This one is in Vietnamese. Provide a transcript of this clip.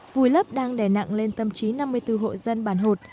vùi lấp đang đè nặng lên tâm trí năm mươi bốn hộ dân bàn hột